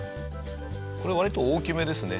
これ割と大きめですね